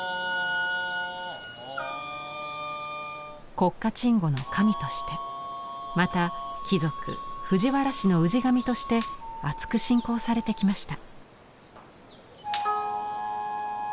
国家鎮護の神としてまた貴族藤原氏の氏神としてあつく信仰されてきました。